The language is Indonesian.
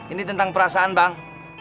ini tentang perasaan bang